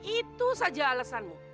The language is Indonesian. itu saja alasanmu